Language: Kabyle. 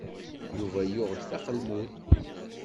Yuba yuɣ-d taqelmut.